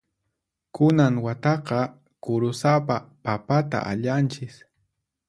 Kunan wataqa kurusapa papata allanchis.